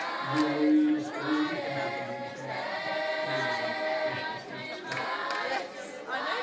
Now he's going to beautify himself here's a precious locksmith!